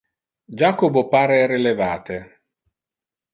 Jacobo pare relevate.